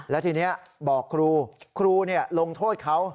แล้วทีนี้บอกครูครูลงโทษเขา